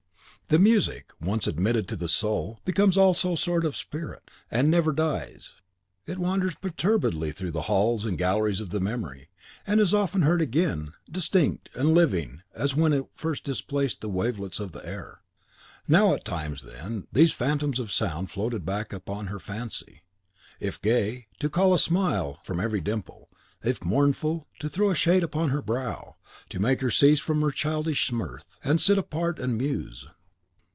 The music, once admitted to the soul, becomes also a sort of spirit, and never dies. It wanders perturbedly through the halls and galleries of the memory, and is often heard again, distinct and living as when it first displaced the wavelets of the air. Now at times, then, these phantoms of sound floated back upon her fancy; if gay, to call a smile from every dimple; if mournful, to throw a shade upon her brow, to make her cease from her childishmirth, and sit apart and muse.